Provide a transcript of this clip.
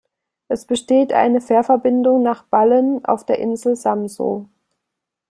Es besteht eine Fährverbindung nach Ballen auf der Insel Samsø.